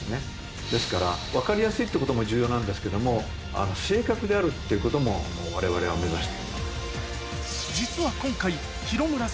ですから分かりやすいってことも重要なんですけども正確であるっていうこともわれわれは目指して。